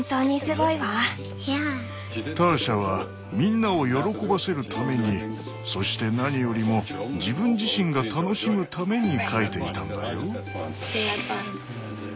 ターシャはみんなを喜ばせるためにそして何よりも自分自身が楽しむために描いていたんだよ。